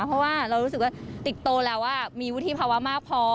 เพราะว่าเรารู้สึกว่าติกโตแล้วมีวุฒิภาวะมากพอ